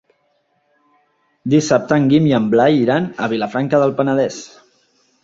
Dissabte en Guim i en Blai iran a Vilafranca del Penedès.